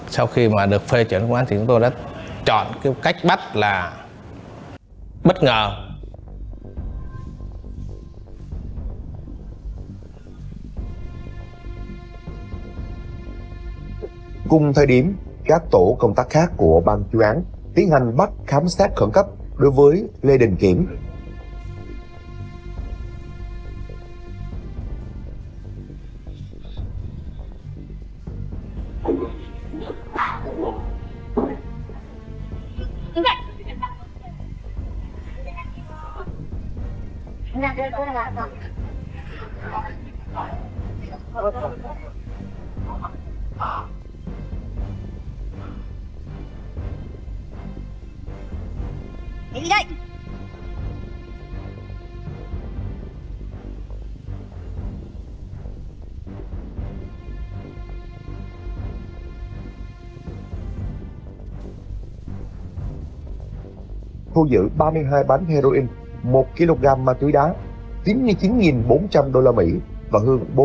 sau khi được phê chuẩn của đồng chí thủ trưởng cơ quan cảnh sát điều tra